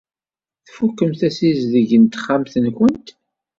Tfukemt assizdeg n texxamt-nwent?